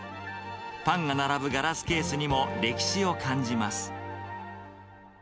パンが並ぶガラスケースにも、歴史を感じます。